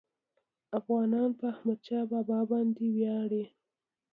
افغانان په احمدشاه بابا باندي ویاړي.